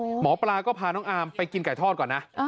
หมอปลาก็พาน้องอามไปกินไก่ทอดก่อนนะ